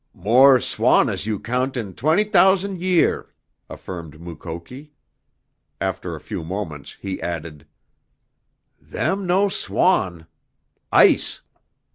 "More swan as you count in twent' t'ous'nd year!" affirmed Mukoki. After a few moments he added, "Them no swan. Ice!"